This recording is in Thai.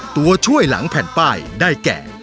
ตัวช่วยหลังแผ่นป้ายได้แก่